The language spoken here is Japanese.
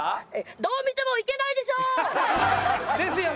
どう見てもいけないでしょ！ですよね？